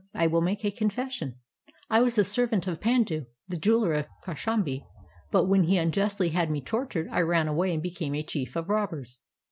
I will make a confession: I was the sen'ant of Pandu. the jeweler of Kaushambi, but when he unjustly had me tortured I ran away and became a chief of robbers.